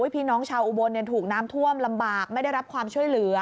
พี่น้องชาวอุบลถูกน้ำท่วมลำบากไม่ได้รับความช่วยเหลือ